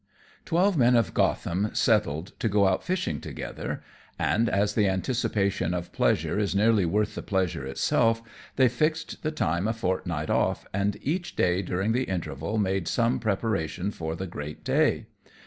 _ Twelve men of Gotham settled to go out fishing together; and, as the anticipation of pleasure is nearly worth the pleasure itself, they fixed the time a fortnight off, and each day during the interval made some preparation for the great day.